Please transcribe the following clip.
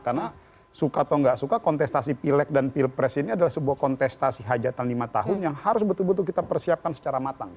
karena suka atau enggak suka kontestasi pilek dan pilpres ini adalah sebuah kontestasi hajatan lima tahun yang harus betul betul kita persiapkan secara matang